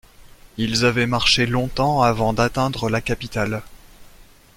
Ils avaient marché longtemps avant d’atteindre la capitale.